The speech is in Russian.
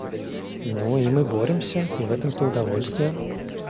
Ну, и мы боремся, и в этом-то удовольствие.